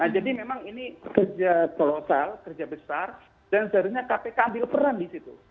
jadi memang ini kerja kolosal kerja besar dan seharusnya kpk ambil peran disitu